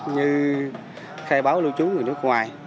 như khai báo lưu trú người nước ngoài